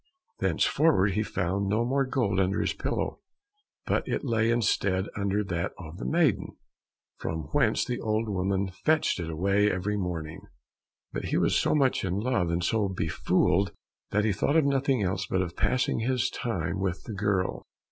Thenceforward he found no more gold under his pillow, but it lay instead under that of the maiden, from whence the old woman fetched it away every morning; but he was so much in love and so befooled, that he thought of nothing else but of passing his time with the girl.